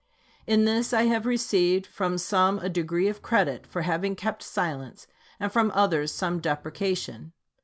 In this I have received from some a degree of credit for having kept silence, and from others some deprecation.